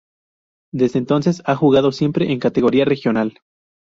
Desde entonces ha jugado siempre en categoría regional.